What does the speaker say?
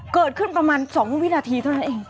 เกิดขึ้นประมาณ๒วินาทีเท่านั้นเอง